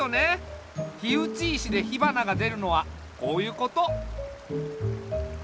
火打ち石で火花がでるのはこういうこと。